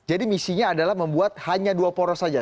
jadi misinya adalah membuat hanya dua poros saja